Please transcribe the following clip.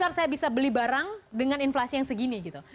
ntar saya bisa beli barang dengan inflasi yang segini gitu